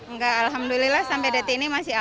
nggak alhamdulillah sampai dati ini masih aman